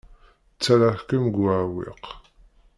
Ttarraɣ-kem deg uɛewwiq.